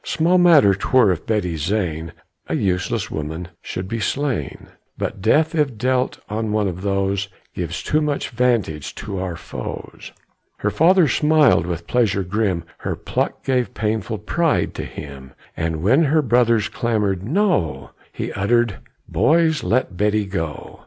Small matter 'twere if Betty Zane, A useless woman, should be slain; But death, if dealt on one of those, Gives too much vantage to our foes." Her father smiled with pleasure grim Her pluck gave painful pride to him; And while her brothers clamored "No!" He uttered, "Boys, let Betty go!